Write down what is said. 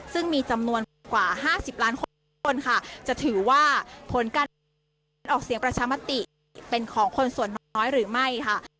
ซึ่งมีจำนวนกว่า๕๐ล้านคนค่ะจะถือว่าผลการออกเสียงประชามติเป็นของคนส่วนน้อยหรือไม่ค่ะ